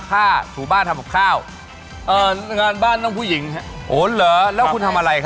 คือซื้อนอะไรนะไอลูกอะไร